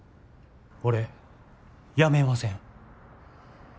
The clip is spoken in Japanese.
俺辞めません。